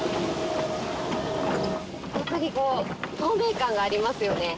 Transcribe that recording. やっぱりこう透明感がありますよね。